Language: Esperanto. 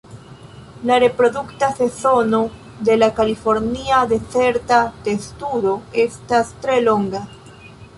La reprodukta sezono de la Kalifornia dezerta testudo estas tre longa.